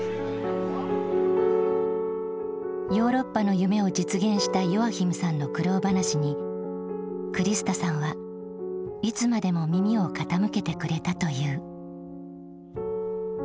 ヨーロッパの夢を実現したヨアヒムさんの苦労話にクリスタさんはいつまでも耳を傾けてくれたという。